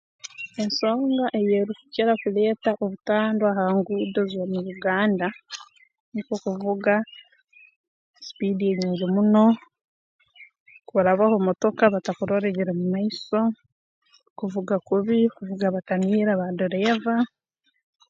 Ensonga ei erukukira kuleeta obutandwa ha nguudo z'omu Uganda nukwo kuvuga supiidi enyingi muno kurabaho motoka batakurora ebiri mu maiso kuvuga kubi kuvuga batamiire abaadireeva